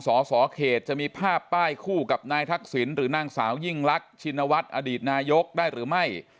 สสเขตจะมีภาพป้ายคู่กับนายทักษิณหรือนางสาวยิ่งลักชินวัฒน์อดีตนายกได้หรือไม่